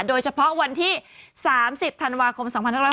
โดยเฉพาะวันที่๓๐ธันวาคม๒๕๖๐